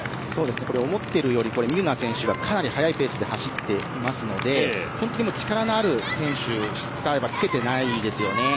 思っているよりミルナー選手がかなり速いペースで走っていますので本当に力のある選手につけていっていないですよね。